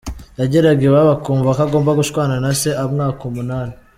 Yageraga iwabo ukumva ko agomba gushwana na se amwaka umunani.